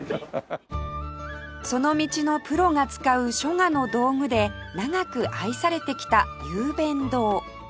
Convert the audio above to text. その道のプロが使う書画の道具で長く愛されてきた有便堂